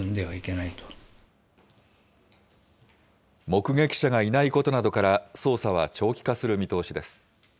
目撃者がいないことなどから、捜査は長期化する見通しです。